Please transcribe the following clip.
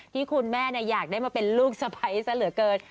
ที่คุณแม่อยากได้มาเป็นลูกสะพ้ายซะเหลือเกิน